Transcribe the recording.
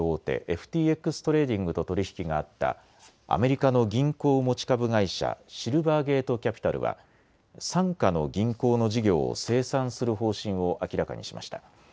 ＦＴＸトレーディングと取り引きがあったアメリカの銀行持ち株会社、シルバーゲート・キャピタルは傘下の銀行の事業を清算する方針を明らかにしました。